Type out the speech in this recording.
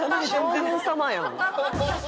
将軍様やん。